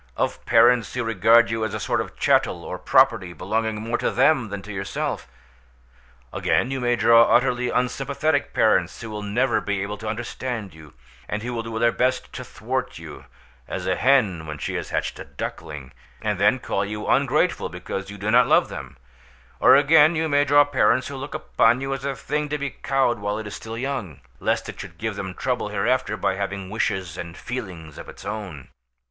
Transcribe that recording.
of parents who regard you as a sort of chattel or property, belonging more to them than to yourself! Again, you may draw utterly unsympathetic parents, who will never be able to understand you, and who will do their best to thwart you (as a hen when she has hatched a duckling), and then call you ungrateful because you do not love them; or, again, you may draw parents who look upon you as a thing to be cowed while it is still young, lest it should give them trouble hereafter by having wishes and feelings of its own.